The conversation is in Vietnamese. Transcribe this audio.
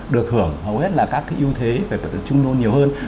được hưởng hầu hết là các cái ưu thế về bệnh nhân trung môn nhiều hơn